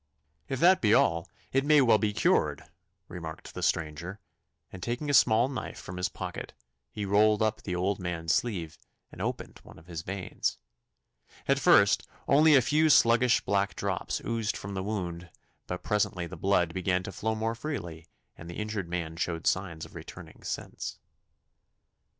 'If that be all it may well be cured, 'remarked the stranger; and taking a small knife from his pocket, he rolled up the old man's sleeve and opened one of his veins. At first only a few sluggish black drops oozed from the wound, but presently the blood began to flow more freely, and the injured man showed signs of returning sense.